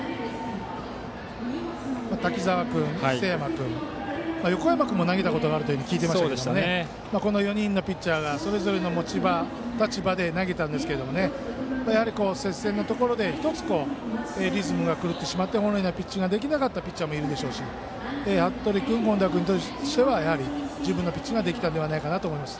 滝沢君、瀬山君横山君も投げたことがあると聞いてましたがこの４人のピッチャーがそれぞれの持ち場、立場で投げたんですが接戦のところでリズムが狂ってしまって本来のピッチングができなかったピッチャーもいるし服部君、権田君としては自分のピッチングができたのではないかと思います。